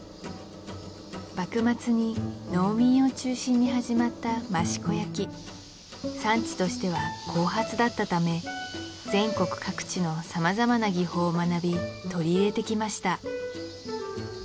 幕末に農民を中心に始まった益子焼産地としては後発だったため全国各地の様々な技法を学び取り入れてきました